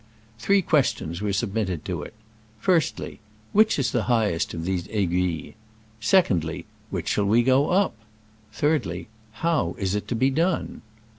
Three questions were submitted to it : Firstly, Which is the highest of these Aiguilles ? Secondly, Which shall we go up ? Thirdly, How is it to be done